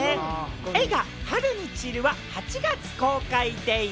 映画『春に散る』は８月公開でぃす！